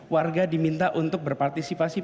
warga diminta untuk berpartisipasi